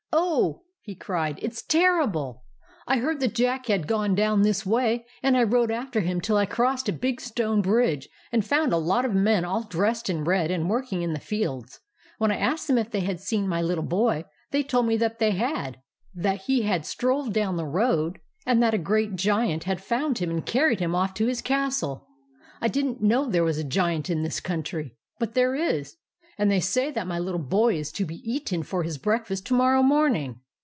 "Oh," he cried, "it's terrible! I heard that Jack had gone down this way, and I rode after him till I crossed a big stone bridge, and found a lot of men all dressed in red and working in the fields. When I asked them if they had seen my little boy, they told me that they had; that he had 2io THE ADVENTURES OF MABEL strolled down that road, and that a great Giant had found him and carried him off to nis castle. I did n't know there was a Giant in this country ; but there is ; and they say that my little boy is to be eaten for his breakfast to morrow morning